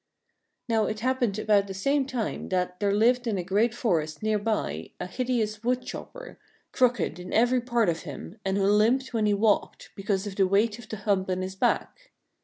Now it happened about the same time that there lived in a great forest near by a hideous wood chopper, crooked in every part of him, and who limped when he walked, because of the weight of the hump on his back.